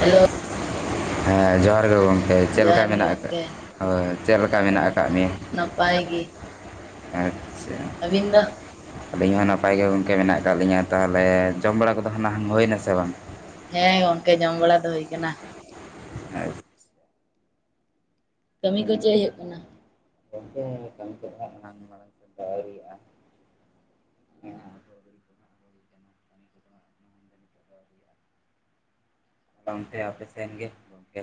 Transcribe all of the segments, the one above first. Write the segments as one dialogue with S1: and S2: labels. S1: Hello
S2: ᱦᱮᱸ ᱡᱚᱦᱟᱨ ᱜᱮ ᱜᱚᱢᱠᱮ ᱪᱮᱫ ᱞᱮᱠᱟ
S1: ᱡᱚᱦᱟᱨ ᱜᱮ
S2: ᱢᱮᱱᱟᱜ ᱟᱠᱟᱫ
S1: ᱜᱚᱢᱠᱮ
S2: ᱦᱳᱭ ᱪᱮᱫ ᱞᱮᱠᱟ ᱢᱮᱱᱟᱜ ᱟᱠᱟᱫ ᱢᱮᱭᱟ?
S1: ᱱᱟᱯᱟᱭ ᱜᱮ
S2: ᱟᱪᱪᱷᱟ
S1: ᱟᱹᱵᱤᱱ ᱫᱚ
S2: ᱟᱹᱞᱤᱧ ᱦᱚᱸ ᱱᱟᱯᱟᱭ ᱜᱮ᱾ ᱜᱚᱢᱠᱮ ᱢᱮᱱᱟᱜ ᱟᱠᱟᱫ ᱞᱤᱧᱟᱹ ᱛᱟᱦᱚᱞᱮ ᱡᱚᱢ ᱵᱟᱲᱟ ᱠᱚᱫᱚ ᱦᱟᱱᱟ ᱦᱩᱭᱱᱟ ᱥᱮ ᱵᱟᱝ
S1: ᱦᱮᱸ ᱜᱚᱝᱠᱮ ᱡᱚᱢ ᱵᱟᱲᱟ ᱫᱚ ᱦᱩᱭ ᱠᱟᱱᱟ᱾
S2: [inaudible]
S1: ᱠᱟᱹᱢᱤ ᱠᱚ ᱪᱮᱫ ᱦᱩᱭᱩᱜ ᱠᱟᱱᱟ?
S2: [inaudible]
S1: [unintelligible]
S2: ᱚᱱᱛᱮ ᱟᱯᱮ ᱥᱮᱱ ᱜᱮ ᱜᱚᱢᱠᱮ᱾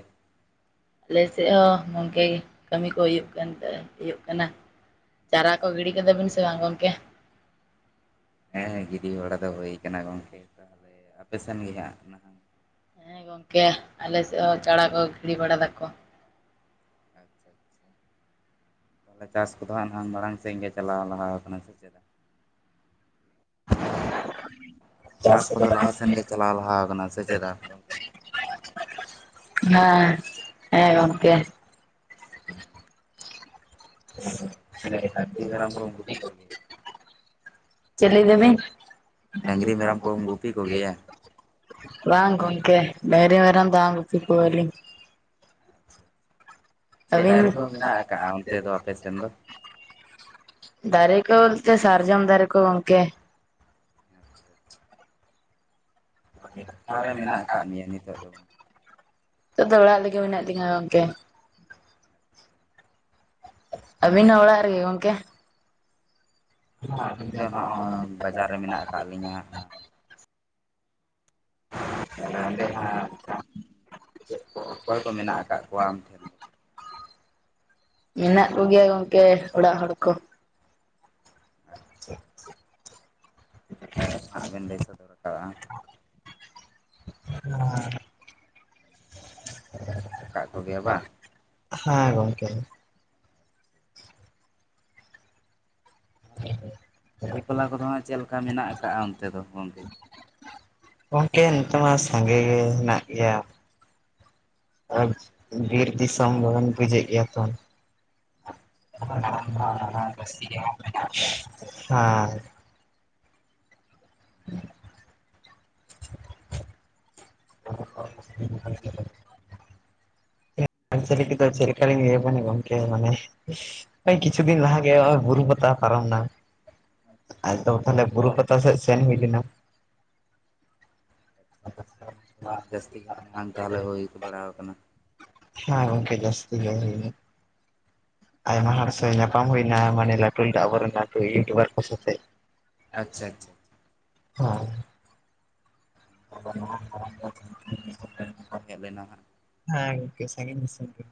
S1: ᱟᱞᱮ ᱥᱮᱫ ᱦᱚᱸ ᱜᱚᱝᱠᱮ ᱠᱟᱹᱢᱤ ᱠᱚ ᱦᱩᱭᱩᱜ ᱠᱟᱱ ᱦᱩᱭᱩᱜ ᱠᱟᱱᱟ᱾ ᱪᱟᱨᱟ ᱠᱚ ᱜᱤᱰᱤ ᱠᱮᱫᱟ ᱵᱤᱱ ᱥᱮ ᱵᱟᱝ ᱜᱚᱢᱠᱮ?
S2: ᱦᱮᱸ ᱦᱮᱸ ᱜᱤᱰᱤ ᱵᱟᱲᱟ ᱫᱚ ᱦᱳᱭ ᱟᱠᱟᱱᱟ ᱜᱚᱢᱠᱮ, ᱛᱟᱦᱚᱞᱮ ᱟᱯᱮ ᱥᱮᱱ ᱜᱮ ᱦᱟᱸᱜ ᱱᱟᱦᱟᱜ
S1: ᱦᱮᱸ ᱜᱚᱝᱠᱮ ᱟᱞᱮ ᱥᱮᱫ ᱦᱚᱸ ᱪᱟᱲᱟ ᱠᱚ ᱜᱤᱲᱤ ᱵᱟᱲᱟ ᱫᱟᱠᱚ
S2: ᱟᱪᱪᱷᱟ ᱛᱟᱦᱚᱞᱮ ᱪᱟᱥ ᱠᱚᱫᱚ ᱦᱟᱜ ᱱᱟᱝ ᱢᱟᱲᱟᱝ ᱥᱮᱫ ᱜᱮ ᱪᱟᱞᱟᱣ ᱞᱟᱦᱟᱣ ᱟᱠᱟᱱᱟ ᱥᱮ ᱪᱮᱫᱟᱜ ᱪᱟᱥ ᱠᱚᱫᱚ ᱞᱟᱦᱟ ᱥᱮᱱ ᱜᱮ ᱪᱟᱞᱟᱣ ᱞᱟᱦᱟᱣ ᱟᱠᱟᱱᱟ ᱥᱮ ᱪᱮᱫᱟᱜ ᱜᱚᱝᱠᱮ
S1: ᱦᱮᱸ ᱦᱮᱸ ᱜᱚᱢᱠᱮ [unintelligible] [inaudible]
S2: ᱰᱟᱝᱨᱤ ᱢᱮᱨᱚᱢ ᱠᱚᱢ ᱜᱩᱯᱤ ᱠᱚ ᱜᱮᱭᱟ
S1: ᱵᱟᱝ ᱜᱚᱢᱠᱮ ᱰᱟᱝᱨᱤ ᱢᱮᱨᱚᱢ ᱵᱟᱝ ᱜᱩᱯᱤ ᱠᱚᱣᱟ ᱞᱤᱧ᱾ ᱟᱵᱤᱱ [unintelligible] ᱫᱟᱨᱮ ᱠᱚ ᱵᱚᱞᱛᱮ ᱥᱟᱨᱡᱚᱢ ᱫᱟᱨᱮ ᱠᱚ ᱜᱚᱝᱠᱮ
S2: ᱟᱪᱪᱷᱟ ᱟᱪᱪᱷᱟ [unintelligible]
S1: [unintelligible] ᱱᱤᱛᱚᱜ ᱫᱚ ᱚᱲᱟᱜ ᱨᱮᱜᱮ ᱢᱮᱱᱟᱜ ᱞᱤᱧᱟ ᱜᱚᱝᱠᱮ ᱟᱹᱵᱤᱱ ᱦᱚ ᱚᱲᱟᱜ ᱨᱮᱜᱮ ᱜᱚᱝᱠᱮ?
S2: ᱦᱮᱸ ᱟᱹᱞᱤᱧ ᱫᱚ ᱱᱚᱜᱼᱚᱭ ᱵᱟᱡᱟᱨ ᱨᱮ ᱢᱮᱱᱟᱜ ᱟᱠᱟᱫ ᱞᱤᱧᱟᱹ ᱦᱟᱜ ᱠᱷᱟᱱ ᱛᱟᱦᱚᱞᱮ ᱚᱸᱰᱮ ᱦᱟᱸᱜ ᱪᱮᱫ ᱠᱚᱦᱚᱸ ᱚᱠᱚᱭ ᱠᱚ ᱢᱮᱱᱟᱜ ᱟᱠᱟᱫ ᱠᱚᱣᱟ ᱟᱢ ᱴᱷᱮᱱ ᱫᱚ᱾
S1: ᱢᱮᱱᱟᱜ ᱠᱚᱜᱮᱭᱟ ᱜᱚᱝᱠᱮ ᱚᱲᱟᱜ ᱦᱚᱲ ᱠᱚ᱾
S2: ᱟᱪᱪᱷᱟ ᱟᱪᱪᱷᱟ ᱱᱟᱯᱟᱭ ᱠᱟᱛᱷᱟ ᱦᱟᱸᱜ ᱵᱮᱱ ᱞᱟᱹᱭ ᱥᱚᱫᱚᱨ ᱟᱠᱟᱜᱼᱟ᱾
S1: [unintelligible]
S2: ᱛᱟᱦᱚᱞᱮ ᱢᱮᱱᱟᱜ ᱟᱠᱟᱫ ᱠᱚᱜᱮᱭᱟ ᱵᱟᱝ
S1: ᱦᱮᱸ ᱜᱚᱝᱠᱮ
S2: ᱛᱟᱦᱚᱞᱮ ᱫᱨᱤᱯᱟᱞᱟ ᱠᱚᱫᱚ ᱦᱟᱸᱜ ᱪᱮᱫ ᱞᱮᱠᱟ ᱢᱮᱱᱟᱜ ᱠᱟᱜᱼᱟ ᱚᱱᱛᱮ ᱫᱚ ᱜᱚᱢᱠᱮ
S1: ᱜᱚᱝᱠᱮ ᱱᱤᱛᱚᱜ ᱢᱟ ᱥᱟᱸᱜᱮ ᱜᱮ ᱢᱮᱱᱟᱜ ᱜᱮᱭᱟ ᱟᱡ ᱵᱤᱨ ᱫᱤᱥᱚᱢ ᱫᱚᱵᱚᱱ ᱵᱩᱡᱮᱜ ᱜᱮᱭᱟ ᱛᱚ [unintelligible] ᱦᱮᱸ [unintelligible] [unintelligible] [unintelligible] ᱪᱮᱫᱞᱮᱠᱟ ᱞᱤᱧ ᱞᱮᱭ ᱟᱹᱵᱤᱱᱟ ᱜᱚᱢᱠᱮ ᱢᱟᱱᱮ ᱦᱳᱭ ᱠᱤᱪᱷᱩ ᱫᱤᱱ ᱞᱟᱦᱟ ᱦᱚᱸᱜ ᱚᱭ ᱵᱩᱨᱩ ᱯᱟᱛᱟ ᱯᱟᱨᱚᱢ ᱱᱟ ᱟᱫᱚ ᱛᱟᱦᱚᱞᱮ ᱵᱩᱨᱩ ᱯᱟᱛᱟ ᱥᱮ ᱥᱮᱱ ᱦᱩᱭᱞᱮᱱᱟ
S2: ᱞᱟᱪᱪᱷᱟ ᱨᱟᱹᱥᱠᱟᱹ ᱨᱚᱢᱚᱡ ᱠᱚ ᱫᱚ ᱦᱟᱸᱜ ᱡᱟᱹᱥᱛᱤ ᱜᱮ ᱱᱟᱦᱟᱜ ᱛᱟᱦᱚᱞᱮ ᱦᱩᱭ ᱵᱟᱲᱟᱟᱣ ᱠᱟᱱᱟ
S1: ᱦᱮᱸ ᱜᱚᱝᱠᱮ ᱡᱟᱹᱥᱛᱤ ᱟᱭᱢᱟ ᱦᱚᱲ ᱥᱮ ᱧᱟᱯᱟᱢ ᱦᱩᱭᱱᱟ ᱢᱟᱱᱮ ᱞᱟᱹᱴᱩ ᱞᱟᱹᱴᱩ ᱟᱵᱚᱨᱮᱱ ᱞᱟᱹᱴᱩ ᱤᱭᱩᱴᱩᱵᱟᱨ ᱠᱚ ᱥᱟᱛᱮ
S2: ᱟᱪᱪᱷᱟ ᱟᱪᱪᱷᱟ
S1: ᱟᱨ
S2: ᱛᱟᱦᱚᱞᱮ ᱱᱟᱦᱟᱜ ᱢᱟᱲᱟᱝ ᱫᱚ ᱥᱟᱺᱜᱤᱧ ᱥᱟᱺᱜᱤᱧ ᱫᱤᱥᱚᱢ ᱨᱮᱱ ᱜᱮᱠᱚ ᱦᱮᱡ ᱞᱮᱱᱟ ᱦᱟᱜ
S1: ᱦᱮᱸ ᱜᱚᱝᱠᱮ ᱥᱟᱺᱜᱤᱧ ᱫᱤᱥᱚᱢ ᱜᱮ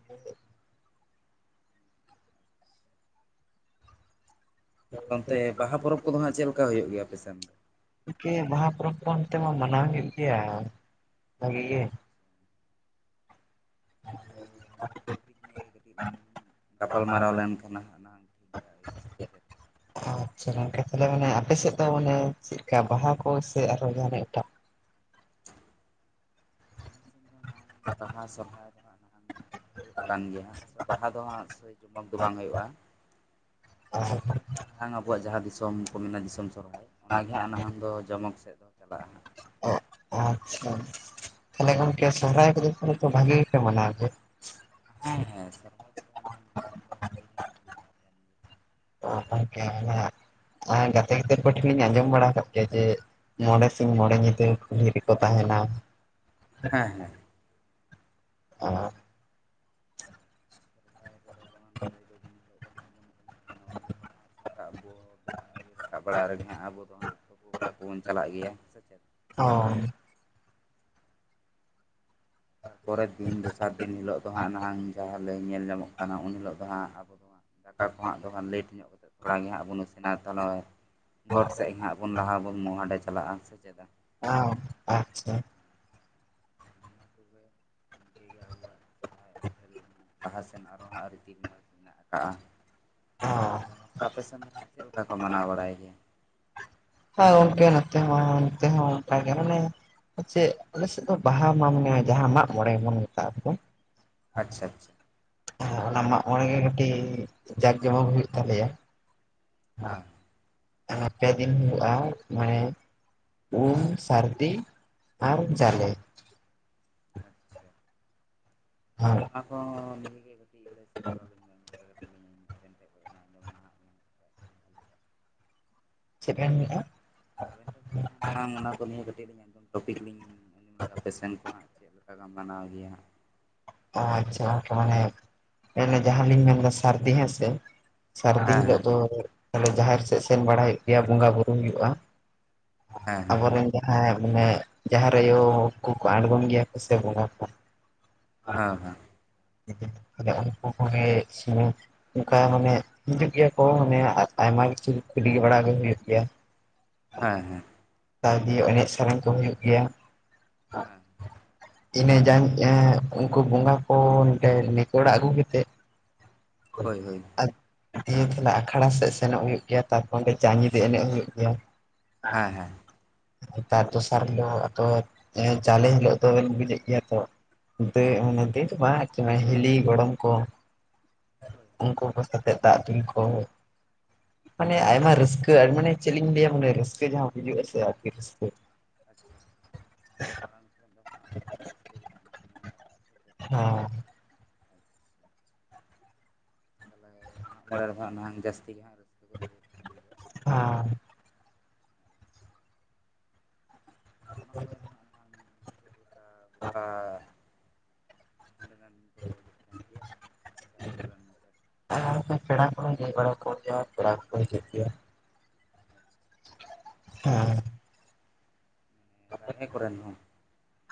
S2: ᱚᱱᱛᱮ
S1: ᱜᱮ
S2: ᱵᱟᱦᱟ ᱯᱚᱨᱚᱵᱽ ᱠᱚᱫᱚ ᱦᱟᱸᱜ ᱪᱮᱫ ᱞᱮᱠᱟ ᱦᱩᱭᱩᱜ ᱜᱮᱭᱟ ᱟᱯᱮ ᱥᱮᱱ
S1: ᱵᱟᱦᱟ ᱯᱚᱨᱚᱵᱽ ᱠᱚ ᱚᱱᱛᱮ ᱢᱟ ᱢᱟᱱᱟᱣ ᱦᱩᱭᱩᱜ ᱜᱮᱭᱟ ᱵᱷᱟᱜᱤ ᱜᱮ
S2: ᱛᱟᱦᱚᱞᱮ ᱚᱱᱟᱠᱚ ᱴᱚᱯᱤᱠ ᱱᱤᱭᱮ ᱠᱟᱹᱴᱤᱡ ᱞᱟᱝ ᱜᱟᱯᱟᱞ ᱢᱟᱨᱟᱣ ᱞᱮᱱᱠᱷᱟᱱ ᱦᱟᱜ ᱱᱟᱝ ᱴᱷᱤᱠᱼᱟ ᱦᱩᱭᱩᱜᱼᱟ ᱛᱚ ᱪᱮᱫ
S1: ᱟᱪᱪᱷᱟ ᱜᱚᱢᱠᱮ ᱛᱟᱦᱚᱞᱮ ᱢᱟᱱᱮ ᱟᱯᱮᱥᱮᱫ ᱫᱚ ᱢᱟᱱᱮ ᱪᱮᱫᱠᱟ ᱵᱟᱦᱟ ᱠᱚ ᱥᱮ ᱟᱨᱦᱚ ᱡᱟᱦᱟᱱᱟᱜ ᱮᱴᱟᱜ
S2: ᱟᱞᱮ ᱥᱮᱱ ᱫᱚ ᱱᱟ ᱵᱟᱦᱟ ᱥᱚᱨᱦᱟᱭ ᱫᱚ ᱦᱟᱸᱜ ᱱᱟ ᱦᱩᱭᱩᱜ ᱠᱟᱱ ᱜᱮᱭᱟ ᱦᱟᱸᱜ ᱵᱟᱦᱟ ᱫᱚ ᱦᱟᱸᱜ ᱥᱮᱭ ᱡᱚᱢᱚᱠ ᱫᱚ ᱵᱟᱝ ᱦᱩᱭᱩᱜᱼᱟ᱾ ᱥᱚᱨᱦᱟᱭ ᱠᱷᱚᱱᱟᱜ ᱱᱟᱦᱟᱜ ᱟᱵᱚᱣᱟᱜ ᱡᱟᱦᱟᱸ ᱫᱤᱥᱚᱢ ᱠᱚ ᱢᱮᱱᱟ ᱫᱤᱥᱚᱢ ᱥᱚᱨᱚᱦᱟᱭ ᱚᱱᱟᱜᱮ ᱦᱟᱸᱜ ᱱᱟᱦᱟᱜ ᱫᱚ ᱡᱚᱢᱚᱠ ᱥᱮᱫ ᱫᱚ ᱪᱟᱞᱟᱜ-ᱟ᱾ ᱦᱟᱸᱜ
S1: ᱟᱪᱪᱷᱟ ᱛᱟᱦᱚᱞᱮ ᱜᱚᱝᱠᱮ ᱥᱚᱨᱦᱟᱭ ᱠᱚᱫᱚ ᱵᱷᱟᱜᱤ ᱜᱮᱯᱮ ᱢᱟᱱᱟᱣᱟ
S2: ᱦᱮᱸ ᱦᱮᱸ ᱥᱚᱨᱦᱟᱭ ᱠᱚᱫᱚ ᱦᱟᱱᱟᱝ ᱢᱟᱲᱟᱝ ᱫᱚ ᱵᱟᱞᱮ ᱜᱮ ᱦᱟᱜ
S1: ᱛᱚ ᱜᱚᱢᱠᱮ ᱚᱱᱟ ᱜᱟᱛᱮ ᱜᱤᱫᱟᱹᱨ ᱠᱚ ᱴᱷᱮᱱ ᱤᱧ ᱟᱸᱡᱚᱢ ᱵᱟᱲᱟ ᱠᱟᱜ ᱜᱮᱭᱟ ᱡᱮ ᱢᱚᱬᱮ ᱥᱤᱧ ᱢᱚᱬᱮ ᱧᱤᱫᱟᱹ ᱠᱩᱞᱦᱤ ᱨᱮᱠᱚ ᱛᱟᱦᱮᱱᱟ
S2: ᱦᱮᱸ ᱦᱮᱸ
S1: ᱟᱨ
S2: ᱥᱚᱨᱦᱟᱭ ᱨᱮᱫᱚ ᱡᱮᱢᱚᱱ ᱯᱳᱭᱞᱳ ᱫᱤᱱ ᱦᱤᱞᱳᱜ ᱫᱚ ᱦᱟᱸᱜ ᱵᱚᱱ ᱩᱢᱩᱜ ᱠᱟᱱᱟ ᱩᱱ ᱦᱤᱞᱳᱜ ᱫᱚ ᱦᱟᱸᱜ ᱥᱮᱛᱟᱜᱵᱚ ᱵᱮᱲᱟ ᱟᱹᱮ ᱥᱮᱛᱟᱜ ᱵᱟᱲᱟ ᱨᱮᱜᱮ ᱦᱟᱸᱜ ᱟᱵᱚ ᱫᱚ ᱦᱟᱸᱜ ᱛᱩᱯᱩ ᱵᱟᱲᱟ ᱠᱚᱵᱚᱱ ᱪᱟᱞᱟᱜ ᱜᱮᱭᱟ ᱥᱮ ᱪᱮᱫ
S1: ᱚ
S2: ᱛᱟᱨᱯᱚᱨᱮᱨᱮᱨ ᱫᱤᱱ ᱫᱚᱥᱟᱨ ᱫᱤᱱ ᱦᱤᱞᱳᱜ ᱫᱚ ᱦᱟᱜ ᱡᱟᱦᱟᱸ ᱞᱟᱹᱭ ᱧᱮᱞ ᱧᱟᱢᱚᱜ ᱠᱟᱱᱟ ᱩᱱ ᱦᱤᱞᱳᱜ ᱫᱚ ᱦᱟᱸᱜ ᱟᱵᱚ ᱫᱚ ᱫᱟᱠᱟ ᱠᱚᱦᱟᱸᱜ ᱫᱚᱠᱷᱟᱱ ᱞᱮᱹᱴ ᱧᱚᱜ ᱠᱟ ᱠᱟᱛᱮ ᱛᱷᱚᱲᱟ ᱜᱮ ᱦᱟᱸᱜ ᱵᱚᱱ ᱤᱥᱤᱱᱟ ᱛᱟᱦᱚᱞᱮ ᱾ ᱜᱚᱴ ᱥᱮᱫ ᱜᱮ ᱦᱟᱸᱜ ᱵᱚᱱ ᱞᱟᱦᱟ ᱟᱵᱚᱱ ᱢᱚᱦᱟᱸᱰᱮ ᱪᱟᱞᱟᱜᱼᱟ ᱥᱮ ᱪᱮᱫᱟᱜ
S1: ᱟᱣ ᱟᱪᱪᱷᱟ
S2: ᱛᱚᱵᱮ ᱤᱱᱠᱟᱹ ᱜᱮ ᱟᱵᱚᱣᱟᱜ ᱥᱚᱨᱚᱦᱟᱭ ᱟᱹᱨᱤᱪᱟᱹᱞᱤ ᱢᱮᱱᱟᱜᱼᱟ ᱞᱟᱦᱟ ᱥᱮᱱ ᱟᱨᱦᱚ ᱦᱟᱸᱜ ᱨᱤᱸᱛᱤ ᱨᱮᱭᱟᱡ ᱢᱮᱱᱟᱜ ᱠᱟᱜᱼᱟ
S1: ᱚ
S2: ᱜᱚᱠᱮ ᱟᱯᱮ ᱥᱮᱱ ᱫᱚ ᱦᱟᱸᱜ ᱪᱮᱫ ᱞᱮᱠᱟ ᱠᱚ ᱢᱟᱱᱟᱣ ᱵᱟᱲᱟᱭ ᱜᱮᱭᱟ
S1: ᱦᱮ ᱜᱚᱢᱠᱮ ᱱᱟᱛᱮ ᱦᱚᱸ ᱚᱱᱠᱟ ᱜᱮ ᱢᱟᱱᱮ ᱪᱮᱫ ᱟᱞᱮᱥᱮᱫ ᱫᱚ ᱵᱟᱦᱟ ᱢᱟ ᱢᱟᱱᱮ ᱡᱟᱦᱟᱸ ᱢᱟᱜ ᱢᱚᱬᱮ ᱵᱚᱱ ᱢᱮᱛᱟᱜ-ᱟ?
S2: ᱟᱪᱪᱷᱟ ᱟᱪᱪᱷᱟ
S1: ᱚᱱᱟ ᱢᱟᱸᱜ ᱢᱚᱬᱮ ᱜᱮ ᱠᱟᱹᱴᱤᱡ ᱡᱟᱠ ᱡᱚᱢᱚᱠ ᱦᱩᱭᱩᱜ ᱛᱟᱞᱮᱭᱟ ᱯᱮ ᱫᱤᱱ ᱦᱩᱭᱩᱜ-ᱟ ᱢᱟᱱᱮ ᱩᱢ ᱥᱟᱹᱨᱫᱤ ᱟᱨ ᱡᱟᱞᱮ
S2: ᱟᱪᱪᱷᱟ ᱛᱟᱦᱮ ᱚᱱᱟ ᱱᱤᱭᱟᱹᱜᱮ ᱠᱟᱹᱴᱤᱡ ᱞᱟᱹᱭ ᱥᱚᱫᱚᱨ ᱟᱹᱞᱤᱧ ᱢᱮ ᱠᱟᱹᱴ ᱞᱤᱧ ᱟᱵᱮᱱ ᱴᱷᱮᱱ ᱠᱷᱚᱱ ᱟᱸᱡᱚᱢᱟ ᱱᱟᱦᱟᱜ
S1: ᱪᱮᱫ ᱮᱢ ᱢᱮᱼᱟ᱾
S2: ᱟᱵᱮᱱ ᱴᱷᱮᱱ ᱠᱷᱚᱱᱚᱡ ᱡᱟᱦᱟᱸ ᱱᱟ ᱚᱱᱟ ᱠᱚ ᱱᱤᱭᱟᱹ ᱠᱟᱹᱴᱤᱡ ᱞᱤᱧ ᱟᱸᱡᱚᱢ ᱴᱚᱯᱤᱠ ᱞᱤᱧ᱾ ᱟᱯᱮᱥᱮᱱ ᱠᱚ ᱦᱟᱸᱜ ᱪᱮᱫ ᱞᱮᱠᱟᱢ ᱢᱟᱱᱟᱣ ᱜᱮᱭᱟ᱾
S1: ᱟᱪᱪᱷᱟ ᱢᱟᱱᱮ ᱡᱟᱦᱟᱸ ᱞᱤᱧ ᱢᱮᱱᱫᱟ ᱥᱟᱹᱨᱫᱤ ᱦᱮᱸᱥᱮ᱾ ᱥᱟᱹᱨᱫᱤ ᱦᱤᱞᱳᱜ ᱫᱚ ᱚᱱᱮ ᱡᱟᱦᱮᱨ ᱥᱮᱫ ᱥᱮᱱ ᱵᱟᱲᱟ ᱦᱩᱭᱩᱜ ᱜᱮᱭᱟ ᱵᱚᱸᱜᱟ ᱵᱳᱩᱨᱩ ᱦᱩᱭᱩᱜᱼᱟ᱾ ᱟᱵᱚᱨᱮᱱ ᱡᱟᱦᱟᱸᱭ ᱢᱟᱱᱮ ᱡᱟᱦᱮᱨ ᱟᱭᱳ ᱠᱚᱠᱚ ᱟᱬᱜᱚᱱ ᱜᱮᱭᱟ ᱠᱚ ᱥᱮ ᱵᱚᱸᱜᱟ ᱠᱚ᱾
S2: ᱦᱟᱸ ᱦᱟᱸ᱾
S1: ᱟᱫᱚ ᱩᱱᱠᱩ ᱠᱚᱜᱮ ᱥᱩᱢᱩᱝ᱾ ᱚᱱᱠᱟ ᱢᱟᱱᱮ ᱦᱤᱡᱩᱜ ᱜᱮᱭᱟ ᱠᱚ ᱢᱟᱱᱮ ᱟᱨ ᱟᱭᱢᱟ ᱠᱤᱪᱷᱩ ᱠᱩᱞᱤ ᱵᱟᱲᱟ ᱜᱮ ᱦᱩᱭᱩᱜ ᱜᱮᱭᱟ᱾
S2: ᱦᱮᱸ ᱦᱮᱸ᱾
S1: ᱛᱟ ᱫᱤᱭᱮ ᱮᱱᱮᱡ ᱥᱮᱨᱮᱧ ᱠᱚ ᱦᱩᱭᱩᱜ ᱜᱮᱭᱟ᱾
S2: ᱦᱮᱸ᱾
S1: ᱤᱱᱟᱹ ᱡᱟᱝ ᱩᱱᱠᱩ ᱵᱚᱸᱜᱟ ᱠᱚ ᱱᱚᱰᱮ ᱱᱤᱠᱚᱲᱟᱹ ᱟᱹᱜᱩ ᱠᱟᱛᱮᱫ᱾ [unintelligible] ᱫᱤᱭᱮ ᱛᱟᱦᱮ ᱟᱠᱷᱲᱟ ᱥᱮᱫ ᱥᱮᱱᱚᱜ ᱦᱩᱭᱩᱜ ᱜᱮᱭᱟ ᱛᱟᱨᱯᱚᱨ ᱚᱸᱰᱮ ᱡᱟᱸᱜᱤ ᱮᱱᱮᱡ ᱦᱩᱭᱩᱜ ᱜᱮᱭᱟ᱾
S2: ᱦᱮᱸ ᱦᱮᱸ᱾
S1: ᱛᱟᱨ ᱫᱚᱥᱟᱨ ᱦᱤᱞᱳ ᱟᱫᱚ ᱡᱟᱞᱮ ᱦᱤᱞᱳᱜ ᱫᱚ ᱵᱤᱱ ᱵᱩᱡᱽ ᱮᱫ ᱜᱮᱭᱟ ᱛᱚ᱾ ᱫᱚ ᱢᱟᱱᱮ ᱫᱟᱹᱭ ᱵᱟᱝ ᱦᱤᱞᱤ ᱜᱚᱲᱚᱢ ᱠᱚ ᱩᱱᱠᱩ ᱠᱚ ᱥᱟᱣ᱾ ᱠᱟᱛᱮᱫ ᱫᱟᱜ ᱫᱩᱞ ᱠᱚ᱾ ᱢᱟᱱᱮ ᱟᱭᱢᱟ ᱨᱟᱹᱥᱠᱟᱹ ᱢᱟᱱᱮ ᱪᱮᱫ ᱤᱧ ᱞᱟᱹᱭᱟ ᱢᱟᱱᱮ ᱨᱟᱹᱥᱠᱟᱹ ᱡᱟᱦᱟᱸ ᱵᱩᱡᱩᱜᱼᱟ ᱥᱮ ᱟᱨ ᱠᱤ ᱨᱟᱹᱥᱠᱟᱹ᱾
S2: ᱟᱪᱪᱷᱟ ᱢᱟᱱᱮ ᱢᱟᱨᱟᱝ ᱥᱮᱫ ᱫᱚ ᱦᱟᱸᱜ ᱫᱚᱢᱮ ᱨᱟᱹᱥᱠᱟᱹ ᱜᱮ ᱱᱟᱜᱼᱦᱟᱜ ᱢᱮᱱᱟᱜ ᱠᱟᱫᱼᱟ᱾ ᱥᱮ ᱪᱮᱫ
S1: ᱦᱮᱸ
S2: ᱛᱟᱦᱚᱞᱮ ᱢᱟᱜ ᱢᱚᱬᱮ ᱨᱮᱦᱟᱜ ᱱᱚᱜᱼᱚᱭ ᱡᱟᱹᱥᱛᱤ ᱜᱮ ᱦᱟᱸᱜ ᱨᱟᱹᱥᱠᱟᱹ ᱠᱚᱫᱚ ᱦᱩᱭᱩᱜ ᱾
S1: ᱦᱮᱸ ᱾
S2: ᱢᱟᱜ ᱢᱚᱬᱮ ᱫᱚ ᱦᱟᱸᱜ ᱱᱟᱝ ᱪᱮᱫ ᱞᱮᱠᱟ ᱜᱚᱴᱟ ᱦᱟᱸᱰᱮᱱᱟᱱ᱾ ᱵᱟᱠᱚ ᱦᱤᱡᱩᱜ ᱠᱟᱱ ᱜᱮᱭᱟ ᱟᱹᱛᱩ ᱨᱟᱱ ᱱᱟᱯᱟᱭ᱾
S1: ᱟᱨ ᱠᱚ ᱯᱮᱲᱟ ᱠᱚ ᱯᱮᱲᱟ ᱦᱚᱲ ᱠᱚ ᱦᱤᱡᱩᱜ ᱜᱮᱭᱟ᱾ ᱦᱮᱸ᱾
S2: ᱵᱟᱨᱦᱮ ᱠᱚᱨᱮᱱ ᱦᱚᱸ᱾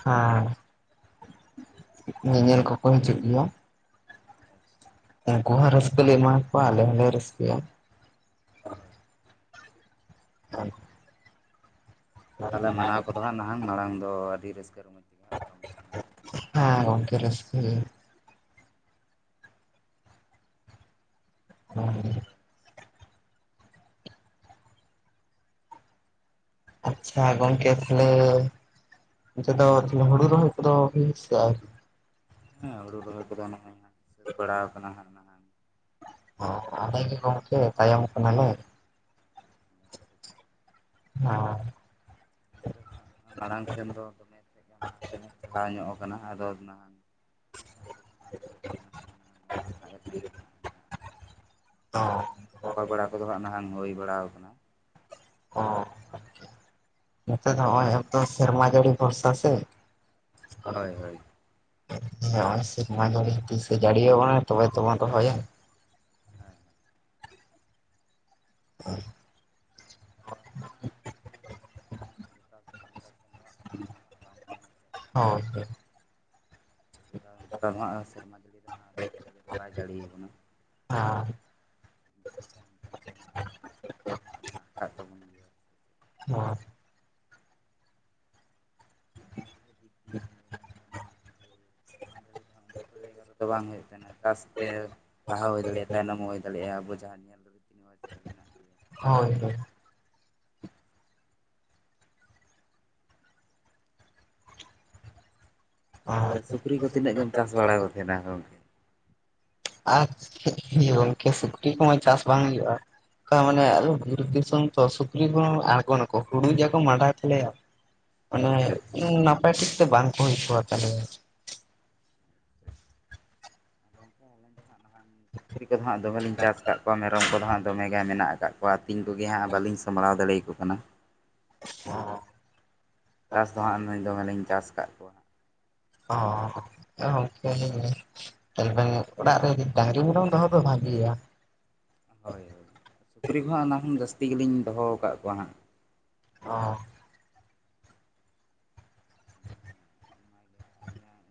S1: ᱦᱮᱸ, ᱧᱮᱧᱮᱞ ᱠᱚᱠᱚ ᱦᱤᱡᱩᱜ ᱜᱮᱭᱟ᱾ ᱩᱱᱠᱩᱦᱚᱸ ᱨᱟᱹᱥᱠᱟᱹ ᱞᱮ ᱮᱢᱟ ᱠᱚᱣᱟ, ᱟᱞᱮ ᱦᱚᱸᱞᱮ ᱨᱟᱹᱥᱠᱟᱹᱭᱟ᱾
S2: ᱦᱳᱭ᱾
S1: ᱦᱮ,
S2: ᱛᱟᱦᱚᱞᱮ ᱢᱟᱱᱟᱣ ᱠᱚᱫᱚ ᱦᱟᱸ ᱱᱟᱦᱟᱜ ᱢᱟᱲᱟᱝ ᱫᱚ ᱟᱹᱰᱤ ᱨᱟᱹᱥᱠᱟᱹ ᱨᱚᱢᱚᱡᱽ ᱛᱮᱜᱮ ᱦᱟᱸᱜ ᱯᱟᱨᱚᱢᱚᱜ ᱠᱟᱱᱟ ᱾
S1: ᱦᱮᱸ ᱜᱚᱝᱠᱮ ᱨᱟᱹᱥᱠᱟᱹ ᱜᱮ᱾
S2: ᱛᱟᱞᱮ
S1: ᱟᱪᱪᱷᱟ ᱜᱚᱝᱠᱮ ᱛᱟᱞᱦᱮ, ᱱᱤᱛᱚ ᱫᱚ ᱦᱩᱲᱩ ᱨᱚᱦᱚᱭ ᱠᱚᱫᱚ ᱦᱳᱭ ᱥᱮ ᱟᱣᱨᱤ?
S2: ᱦᱮᱸ ᱦᱩᱲᱩ ᱨᱚᱦᱚᱭ ᱠᱚᱫᱚ ᱱᱟᱦᱟᱜ, ᱥᱟᱹᱛ ᱵᱟᱲᱟᱣ ᱠᱟᱱᱟ ᱦᱟᱸ ᱱᱟᱦ᱾
S1: ᱦᱚᱸ ᱟᱞᱮ ᱜᱮ ᱜᱚᱝᱠᱮ ᱛᱟᱭᱚᱢ ᱢᱟᱠᱟᱱᱟ ᱞᱮ ᱾ [unintelligible]
S2: ᱱᱚᱛᱮ ᱫᱚ ᱱᱟᱜ ᱢᱟᱲᱟᱝ ᱥᱮᱱ ᱫᱚ ᱫᱚᱢᱮ ᱛᱟᱦᱮᱜ ᱠᱟᱱᱟ ᱞᱟᱦᱟ ᱥᱮᱫ ᱪᱟᱞᱟᱣ ᱧᱚᱜ ᱠᱟᱱᱟ, ᱟᱫᱚ ᱱᱟᱦᱟᱜ ᱛᱤᱥ ᱦᱚᱸᱜ ᱦᱩᱲᱩ ᱠᱚ ᱦᱟᱸᱜ ᱵᱮᱞᱮᱜ ᱠᱟᱱᱟ ᱦᱟᱸᱜ ᱢᱮᱱ ᱠᱷᱟᱱ ᱚᱱᱟ ᱨᱮᱱᱟᱜ ᱜᱮ ᱛᱟᱹᱜᱤ ᱨᱮ ᱦᱟᱸᱜ ᱢᱮᱱᱟᱜᱼᱟ, ᱵᱟᱲᱟ ᱠᱚᱫᱚ ᱦᱟᱸᱜ ᱱᱟᱦᱟᱝ ᱦᱩᱭ ᱵᱟᱲᱟ ᱠᱟᱱᱟ,
S1: ᱚᱸ ᱱᱚᱛᱮ ᱫᱚ ᱦᱚᱜ ᱚᱭ ᱟᱛᱚ ᱥᱮᱨᱢᱟ ᱡᱟᱹᱲᱤ ᱵᱷᱚᱨᱥᱟ ᱥᱮ, ᱦᱳᱭ᱾ ᱦᱚᱭ ᱥᱮᱨᱢᱟ ᱡᱟᱹᱲᱤ ᱛᱤᱥᱼᱮ ᱡᱟᱲᱤᱭᱟ ᱵᱚᱱᱟ ᱱᱟ ᱛᱚᱵᱮ ᱛᱚᱵᱚᱱ ᱨᱚᱦᱚᱭᱟ᱾
S2: ᱦᱮᱸ
S1: [unintelligible]
S2: ᱛᱚ ᱫᱚ [inaudible] ᱜᱚᱴᱟ ᱥᱮ ᱜᱚᱴᱟ ᱥᱮᱱ ᱫᱚ ᱦᱟᱸ ᱥᱚᱢᱟᱱ ᱫᱚ ᱦᱟᱸᱜ ᱵᱟᱝ ᱛᱟᱦᱮᱱᱟ ᱥᱮ᱾
S1: ᱦᱚᱸᱼᱦᱳᱭ
S2: [unintelligible] ᱵᱚᱴᱟ ᱦᱟᱜ ᱥᱮᱨᱢᱟ ᱡᱟᱹᱲᱤ ᱫᱚ ᱦᱟᱜ ᱪᱟᱸᱲᱮ ᱪᱟᱸᱲᱮ ᱫᱚ ᱵᱟᱭ ᱡᱟᱹᱲᱤᱭᱟ ᱵᱚᱱᱟ᱾
S1: [unintelligible]
S2: ᱡᱚᱛᱚ ᱥᱮ ᱦᱟᱱᱛᱮ ᱱᱟᱛᱮ ᱦᱟᱸᱜ ᱯᱟᱨᱛᱷᱚᱠᱚ ᱠᱚ ᱫᱚ ᱦᱟᱸᱜ ᱢᱮᱱᱟᱜ ᱠᱟᱜ ᱛᱟᱵᱚᱱ ᱜᱤᱭᱟ ᱾
S1: [unintelligible]
S2: ᱫᱤᱠ ᱫᱤᱭᱮ ᱜᱮ [unintelligible] ᱫᱟᱜ ᱡᱟᱹᱲᱤ ᱫᱚ ᱦᱟᱸᱜ ᱡᱚᱛᱚ ᱡᱟᱭᱜᱟ ᱨᱮᱫᱚ ᱵᱟᱝ ᱦᱩᱭᱩᱜ ᱛᱟᱦᱮᱱᱟ ᱡᱮ, ᱪᱟᱥᱛᱮ ᱞᱟᱦᱟ ᱦᱩᱭ ᱫᱟᱲᱮᱭᱟᱜᱼᱟ ᱛᱟᱭᱱᱚᱢ ᱦᱩᱭ ᱫᱟᱲᱮᱭᱟᱜᱼᱟ ᱟᱵᱚ ᱡᱟᱦᱟᱸ ᱧᱮᱞ ᱨᱮ ᱢᱮᱱᱟᱜ ᱜᱮᱭᱟ,
S1: ᱦᱳᱭ ᱦᱳᱭ, ᱦᱳᱭ
S2: ᱛᱟᱦᱚᱞᱮ ᱥᱩᱠᱨᱤ ᱠᱚ ᱛᱤᱱᱟᱹᱜ ᱜᱮᱢ ᱪᱟᱥ ᱵᱟᱲᱟ ᱠᱚ ᱛᱟᱦᱮᱱᱟ ᱜᱚᱝᱠᱮ,
S1: ᱟᱨ ᱪᱮᱫ ᱵᱤᱱ ᱤᱭᱟᱹ ᱜᱚᱝᱠᱮ ᱥᱩᱠᱨᱤ ᱠᱚᱢᱟ ᱪᱟᱥ ᱵᱟᱝ ᱦᱩᱭᱩᱜᱼᱟ, ᱠᱟ ᱢᱟᱱᱮ ᱟᱫᱚ ᱵᱤᱨ ᱫᱤᱥᱚᱢ ᱛᱚ ᱥᱩᱠᱨᱤ ᱠᱚ ᱟᱲᱜᱚᱱ ᱟᱠᱚ ᱦᱩᱲᱤᱡ ᱟᱠᱚ ᱢᱟᱰᱟᱭ ᱛᱟᱞᱮ ᱟᱠᱚ, ᱟᱱᱮ ᱱᱟᱯᱟᱭ ᱴᱷᱤᱠ ᱛᱮ ᱵᱟᱝ ᱠᱚ ᱦᱳᱭ ᱚᱪᱚ ᱟᱛᱟᱞᱮᱭᱟ,
S2: ᱜᱚᱝᱠᱮ ᱟᱹᱞᱤᱧ ᱫᱚ ᱦᱟᱸᱜ ᱱᱟᱦᱟᱜ ᱥᱩᱠᱨᱤ ᱠᱚᱫᱚ ᱦᱟᱸᱜ ᱫᱚᱢᱮ ᱞᱤᱧ ᱪᱟᱥ ᱟᱠᱟᱫ ᱠᱚᱣᱟ ᱢᱮᱨᱚᱢ ᱠᱚᱫᱚ ᱦᱟᱸᱜ ᱫᱚᱢᱮ ᱜᱮ ᱢᱮᱱᱟᱜ ᱟᱠᱟᱫ ᱠᱚᱣᱟ, ᱠᱚ ᱟᱹᱛᱤᱧ ᱠᱚᱜᱮᱭᱟ ᱦᱟᱸᱜ ᱵᱟᱹᱞᱤᱧ ᱥᱟᱢᱵᱲᱟᱣ ᱫᱟᱲᱮᱭᱟ ᱠᱚ ᱠᱟᱱᱟ, ᱪᱟᱥ ᱫᱚ ᱦᱟᱸᱜ ᱱᱩᱭ ᱫᱚᱢᱮᱞᱤᱧ ᱪᱟᱥ ᱠᱟᱫ ᱠᱚᱣᱟ,
S1: [unintelligible] ᱧᱮᱞ ᱵᱤᱱ ᱚᱲᱟᱜ ᱨᱮ ᱰᱟᱝᱨᱤ ᱢᱮᱨᱚᱢ ᱫᱚᱦᱚ ᱫᱚ ᱵᱷᱟᱜᱮᱭᱟ,
S2: ᱦᱳᱭ ᱦᱳᱭ ᱥᱩᱠᱨᱤ ᱠᱚᱦᱚᱸ ᱦᱟᱸᱜ ᱚᱱᱟ ᱠᱷᱚᱱ ᱡᱟᱹᱥᱛᱤ ᱜᱮᱞᱤᱧ ᱫᱚᱦᱚᱣ ᱠᱟᱜ ᱠᱚᱣᱟ ᱦᱟᱸᱜ,
S1: ᱚᱸ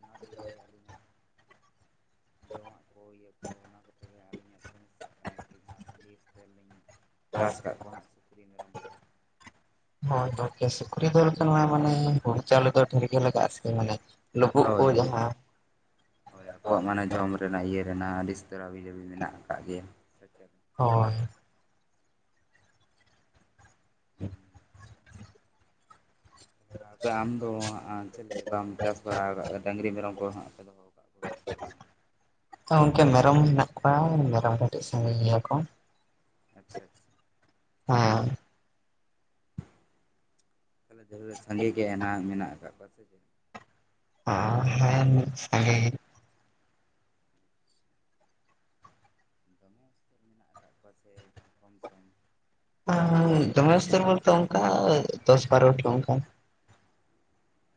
S2: ᱚᱱᱟ ᱛᱮᱜᱮ ᱟᱹᱞᱤᱧᱟᱜ, ᱡᱚᱢᱟᱜ ᱠᱚ ᱤᱭᱟᱹ ᱠᱚ ᱚᱱᱟ ᱠᱚᱛᱮ ᱜᱮ ᱟᱹᱞᱤᱧᱟᱜ ᱥᱚᱢᱚᱥᱥᱟᱜ ᱠᱟᱱᱟ ᱠᱟᱹᱴᱤᱡ ᱦᱟᱸᱜ ᱟᱹᱰᱤ ᱤᱥᱛᱟᱹᱨ ᱞᱤᱧ ᱪᱟᱥ ᱠᱟᱜ ᱠᱚᱣᱟ ᱦᱟᱸᱜ ᱥᱩᱠᱨᱤ ᱢᱮᱨᱚᱢ ᱠᱚᱫᱚ,
S1: ᱦᱳᱭ ᱦᱳᱭ ᱜᱮ ᱥᱩᱠᱨᱤ ᱫᱚ ᱦᱩᱭᱩᱜ ᱠᱟᱱᱟ ᱢᱟᱱᱮ ᱦᱩᱲᱩ ᱪᱟᱣᱞᱮ ᱫᱚ ᱰᱷᱮᱨ ᱜᱮ ᱞᱟᱜᱟᱜ-ᱟ ᱥᱮ ᱢᱟᱱᱮ ᱞᱩᱵᱩᱜ
S2: ᱦᱳᱭ
S1: ᱠᱚ
S2: ᱦᱳᱭ,
S1: ᱡᱟᱦᱟᱸ
S2: ᱦᱳᱭ ᱟᱠᱚᱣᱟᱜ ᱢᱟᱱᱮ ᱡᱚᱢ ᱨᱮᱱᱟᱜ ᱤᱭᱟᱹ ᱨᱮᱱᱟᱜ ᱟᱹᱰᱤ ᱤᱥᱛᱟᱹᱨ [inaudible] ᱢᱮᱱᱟᱜ ᱟᱠᱟᱫ ᱞᱮᱭᱟ, ᱥᱮ ᱪᱮᱫ,
S1: ᱦᱳᱭ,
S2: [unintelligible] ᱟᱢ ᱫᱚ ᱟ ᱪᱮᱞᱮ ᱵᱟᱢ ᱪᱟᱥ ᱵᱟᱲᱟ ᱟᱠᱟᱫ ᱰᱟᱹᱝᱨᱤ ᱢᱮᱨᱚᱢ ᱠᱚ ᱦᱟᱸᱜ ᱯᱮ ᱫᱚᱦᱚ ᱟᱠᱟᱫ ᱠᱚᱭᱟ, ᱠᱚ ᱜᱮᱭᱟ ᱥᱮ ᱵᱟᱝ,
S1: ᱛᱚ ᱜᱚᱝᱠᱮ ᱢᱮᱨᱚᱢ ᱦᱮᱱᱟᱜ ᱠᱚᱣᱟ ᱢᱮᱨᱚᱢ ᱠᱟᱹᱴᱤᱡ ᱥᱚᱢᱚᱭ ᱤᱧᱭᱟᱹ ᱠᱚ,
S2: ᱟᱪᱪᱷᱟ ᱟᱪᱷᱟ,
S1: ᱦᱮᱸ
S2: ᱛᱟᱦᱚᱞᱮ ᱫᱷᱟᱹᱨ ᱨᱮ ᱥᱟᱸᱜᱮ ᱜᱮ ᱦᱟᱸᱜ ᱢᱮᱱᱟᱜ ᱟᱠᱟᱫ ᱠᱚᱣᱟ ᱥᱮ ᱪᱮ,
S1: ᱦᱚᱸ ᱦᱮᱸ ᱢᱤᱫ ᱥᱟᱜᱮᱸ ᱜᱮ,
S2: ᱫᱚᱢᱮ ᱢᱮᱱᱟᱜ ᱟᱠᱟᱫ ᱠᱚᱣᱟ ᱥᱮ ᱠᱚᱢ ᱥᱚᱢ?
S1: ᱮᱸ ᱫᱚᱢᱮ ᱩᱥᱛᱟᱹᱨ ᱵᱳᱞᱛᱮ ᱚᱱᱠᱟ ᱫᱚᱥ ᱵᱟᱨᱚᱴᱤ ᱚᱱᱠᱠᱟ,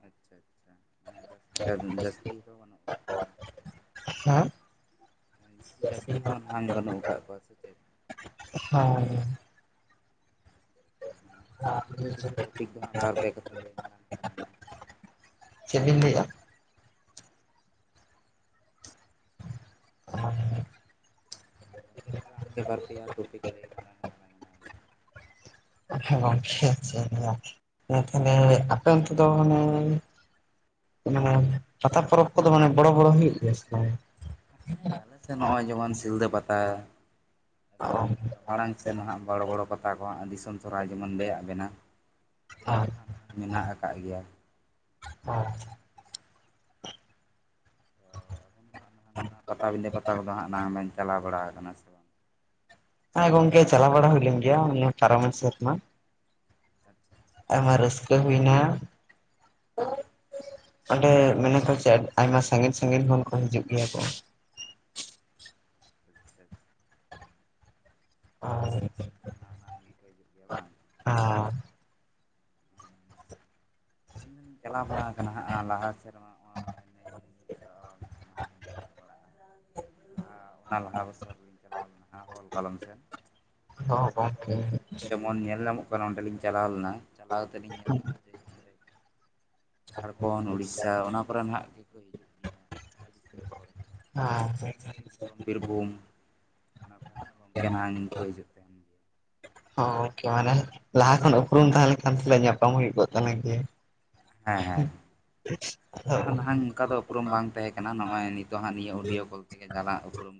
S2: ᱟᱪᱪᱷᱟ ᱟᱪᱪᱷᱟ,
S1: [inaudible] ᱦᱮᱸ
S2: ᱵᱤᱥᱤ ᱡᱟᱹᱥᱛᱤ ᱦᱚᱸ ᱱᱟᱦᱟᱧ ᱵᱟᱹᱱᱩᱜ ᱟᱠᱟᱫ ᱠᱚᱣᱟ ᱥᱮ ᱪᱮᱫ?
S1: [inaudible] ᱦᱳᱭ
S2: [inaudible] ᱱᱟᱝ ᱚᱧᱟᱝ ᱟᱢᱜᱮ ᱠᱤᱪᱷᱩ ᱴᱚᱯᱤᱠ ᱫᱚ ᱦᱟᱸᱜ ᱵᱟᱨ ᱯᱮ ᱠᱟᱛᱷᱟ ᱞᱟᱹᱭ ᱢᱟᱲᱟᱝ ᱛᱟᱞᱟᱝ ᱢᱮ,
S1: ᱪᱮᱫ ᱵᱤᱱ ᱞᱟᱹᱭᱮᱫ-ᱟ? [inaudible]
S2: [inaudible] ᱯᱮᱭᱟ ᱴᱚᱯᱤᱠ ᱞᱟᱹᱭ ᱢᱟᱲᱟᱝ [inaudible]
S1: ᱟᱠᱷᱟ ᱜᱚᱝᱠᱮ [unintelligible] ᱛᱟᱦᱞᱮ ᱟᱯᱮ ᱚᱱᱛᱮ ᱫᱚ ᱢᱟᱱᱮ ᱚᱱᱮ ᱯᱟᱛᱟ ᱯᱚᱨᱚᱵᱽ ᱠᱚᱫᱚ ᱢᱟᱱᱮ ᱵᱚᱲᱚ ᱵᱚᱲᱚ ᱦᱩᱭᱩᱜ ᱜᱮᱭᱟ ᱥᱮ
S2: ᱦᱮᱸ ᱟᱞᱮ ᱥᱮᱫ ᱱᱚᱜᱼᱚᱭ ᱡᱮᱢᱚᱱ ᱥᱤᱞᱫᱟᱹ ᱯᱟᱛᱟ,
S1: ᱚ,
S2: ᱮᱠᱫᱚᱢ ᱱᱚᱝᱠᱟ ᱢᱟᱲᱟᱝ ᱥᱮ ᱱᱟᱦᱟᱜ ᱵᱚᱲᱚ ᱵᱚᱲᱚ ᱟᱵᱚᱣᱟᱜ ᱫᱤᱥᱚᱢ ᱥᱚᱨᱦᱟᱭ ᱡᱮᱢᱚᱱ
S1: ᱦᱮᱸ
S2: [inaudible] ᱠᱷᱟᱱ ᱢᱮᱱᱟᱜ ᱟᱠᱟᱫ ᱜᱮᱭᱟ,
S1: [unintelligible]
S2: ᱛᱚ ᱟᱵᱮᱱ ᱫᱚ ᱦᱟᱸᱜ ᱱᱟᱦᱝ ᱚᱱᱟ ᱯᱟᱛᱟᱵᱤᱸᱫᱟᱹ ᱯᱟᱛᱟ ᱠᱚᱫᱚ ᱦᱟᱸᱜ ᱱᱟ ᱵᱤᱱ ᱪᱟᱞᱟᱣ ᱵᱟᱲᱟ ᱟᱠᱟᱱᱟ ᱥᱮ
S1: ᱟᱨᱜ ᱜᱚᱝᱮ ᱪᱟᱞᱟ ᱵᱟᱲᱟᱦᱟᱣ ᱞᱮᱱ ᱜᱮ ᱱᱤᱭᱳ ᱯᱟᱨᱟᱢᱤᱱ ᱥᱮᱨᱢᱟ ᱟᱭᱢᱟ ᱨᱟᱹᱥᱠᱟᱹ ᱦᱩᱭ ᱮᱱᱟ ᱚᱸᱰᱮ ᱢᱮᱱᱟ ᱠᱚ ᱪᱮᱫ ᱟᱭᱢᱟ ᱥᱟᱺᱜᱤᱧ ᱥᱟᱺᱜᱤᱧ ᱠᱷᱚᱱ ᱠᱚ ᱦᱤᱡᱩᱜ ᱜᱮᱭᱟ ᱠᱚ
S2: ᱟᱪ
S1: ᱟᱨ
S2: ᱚᱱᱟ ᱦᱟᱱᱟᱝᱜ ᱜᱮᱠᱚ ᱦᱤᱡᱩᱜ ᱜᱮᱭᱟ ᱵᱟᱝ
S1: ᱟᱨ
S2: ᱟᱹᱞᱤᱧ ᱦᱚᱸᱞᱤᱧ ᱪᱟᱞᱟᱣ ᱵᱟᱲᱟ ᱟᱠᱟᱱᱟ ᱦᱟᱸᱜ ᱞᱟᱦᱟ ᱥᱮᱫ ᱨᱮᱢᱟ [unintelligible] ᱪᱟᱞᱟᱜ ᱵᱟᱲᱟᱜᱼᱟ [unintelligible] ᱞᱟᱦᱟ ᱵᱚᱪᱷᱚᱨ ᱨᱮ ᱞᱤᱧ ᱪᱟᱞᱟᱣ ᱞᱮᱱᱟ ᱚᱞ ᱠᱟᱞᱚᱢ ᱥᱮᱱ
S1: ᱦᱚᱸ ᱜᱚᱝᱠᱮ
S2: ᱡᱮᱢᱚᱱ ᱧᱮᱞ ᱧᱟᱢᱚᱜ ᱠᱟᱱᱟ ᱚᱸᱰᱮ ᱞᱤᱧ ᱪᱟᱞᱟᱣ ᱞᱮᱱᱟ ᱪᱟᱞᱟᱣ ᱠᱟᱛᱮ ᱞᱤᱧ ᱧᱮᱞ ᱞᱮᱱᱟ ᱡᱮ ᱚᱸᱰᱮ ᱡᱷᱟᱲᱠᱷᱚᱸᱰ ᱩᱲᱤᱥᱥᱟ ᱚᱱᱟ ᱠᱚᱨᱮ ᱱᱟᱜ ᱜᱮᱠᱚ ᱦᱤᱡᱩᱜ [unintelligible]
S1: ᱦ
S2: ᱥᱟᱺᱜᱤᱧ ᱥᱟᱺᱜᱤᱧ ᱫᱤᱥᱚᱢ ᱵᱤᱨᱵᱷᱩᱢ ᱚᱱᱟ ᱠᱚᱨᱮ ᱜᱚᱝᱠᱮ ᱱᱟᱝ ᱠᱚ ᱦᱤᱡᱩᱜ ᱛᱟᱦᱮᱱ ᱜᱮᱭᱟ
S1: ᱚ ᱢᱟᱱᱮ ᱞᱟᱦᱟ ᱠᱷᱚᱱ ᱩᱯᱨᱩᱢ ᱛᱟᱦᱮᱸᱞᱮᱱᱠᱷᱟᱱ ᱛᱟᱦᱮ ᱧᱟᱯᱟᱢ ᱦᱩᱭᱩᱜ ᱠᱚᱜ ᱛᱟᱞᱝ ᱜᱮᱭᱟ ᱦ [unintelligible]
S2: ᱩᱯᱨᱩᱢ ᱵᱟᱝ ᱛᱟᱦᱮᱸ ᱠᱟᱱᱟ ᱱᱚᱜ ᱚᱭ ᱱᱤᱛᱚᱜ ᱦᱟᱸᱜ ᱱᱤᱭᱟᱹ ᱚᱰᱤᱭᱚ ᱠᱚᱞ ᱛᱮᱜᱮ ᱡᱟᱞᱟ ᱩᱯᱨᱩᱢ